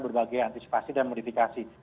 berbagai antisipasi dan modifikasi